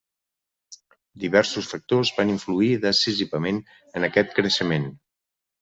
Diversos factors van influir decisivament en aquest creixement.